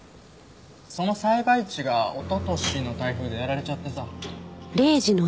その栽培地がおととしの台風でやられちゃってさ。